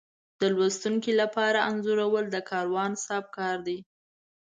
د لوستونکي لپاره انځورول د کاروان صاحب کار دی.